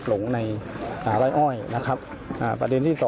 ไรการยึดเปล่าแล้วที่